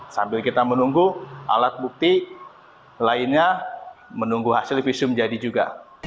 sambil kita menunggu alat bukti lainnya menunggu hasil visum jadi juga